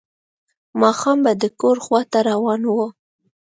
ماښام به د کور خواته روان و.